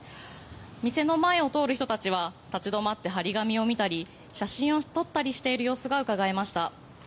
店の前を通る人たちは立ち止まって貼り紙を見たり写真を撮ったりしている様子がうかがえました。